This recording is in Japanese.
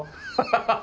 ハハハハ！